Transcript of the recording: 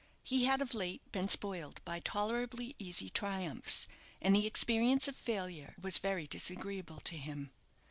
He had of late been spoiled by tolerably easy triumphs, and the experience of failure was very disagreeable to him.